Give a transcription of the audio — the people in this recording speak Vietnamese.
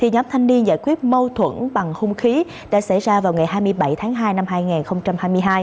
nhóm thanh niên giải quyết mâu thuẫn bằng hung khí đã xảy ra vào ngày hai mươi bảy tháng hai năm hai nghìn hai mươi hai